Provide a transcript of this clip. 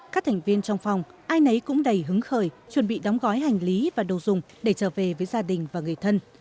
các thành viên trong phòng ai nấy cũng đầy hứng khởi chuẩn bị đóng gói hành lý và đồ dùng để trở về với gia đình và người thân